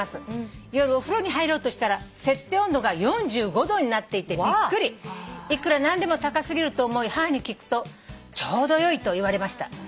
「夜お風呂に入ろうとしたら設定温度が４５℃になっていてびっくり」「いくら何でも高過ぎると思い母に聞くとちょうど良いと言われました」